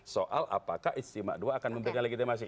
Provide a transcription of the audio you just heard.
soal apakah istimewa dua akan memberikan legitimasi